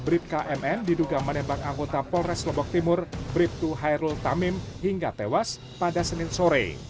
brib kmn diduga menembak anggota polres lombok timur brib dua hairul tamim hingga tewas pada senin sore